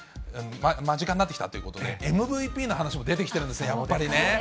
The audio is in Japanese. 間近になってきたということで、ＭＶＰの話も出てきてるんですよ、やっぱりね。